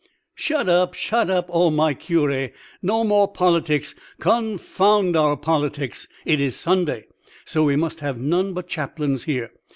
"Shut up, shut up, O, my Curé; no more politics, confound our politics! It is Sunday, so we must have none but chaplains here.